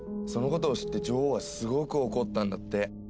そのことを知って女王はすごく怒ったんだって。